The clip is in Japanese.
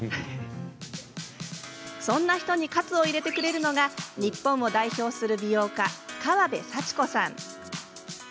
そんな人に喝を入れてくれるのが日本を代表する美容家川邉サチコさん。